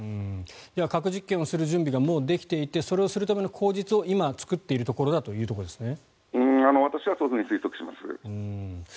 核実験をする準備がもうできていてそれをするための口実を今、作っているということですね。